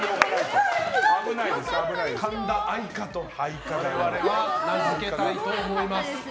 神田愛化と我々は名づけたいと思います。